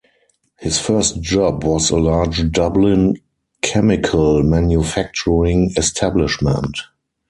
His first job was a large Dublin chemical manufacturing establishment.